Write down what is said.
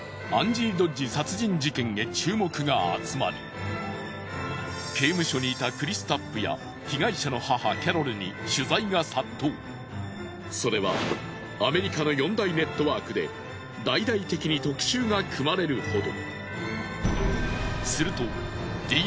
実は刑務所にいたクリス・タップや被害者の母キャロルにそれはアメリカの４大ネットワークで大々的に特集が組まれるほど。